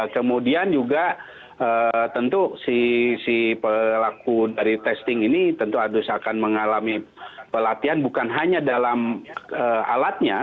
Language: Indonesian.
kemudian juga tentu si pelaku dari testing ini tentu harus akan mengalami pelatihan bukan hanya dalam alatnya